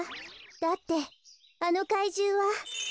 だってあのかいじゅうは。